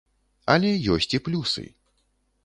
Але ёсць і плюсы.